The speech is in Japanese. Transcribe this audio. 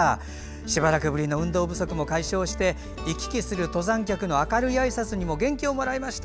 しばらくぶりの運動不足も解消して行き来する登山客の皆さんの明るいあいさつにも元気をもらいました。